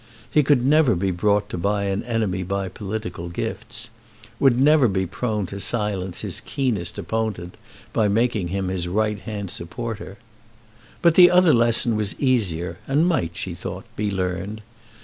He could never be brought to buy an enemy by political gifts, would never be prone to silence his keenest opponent by making him his right hand supporter. But the other lesson was easier and might she thought be learned.